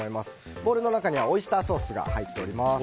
ボウルの中にオイスターソースが入っております。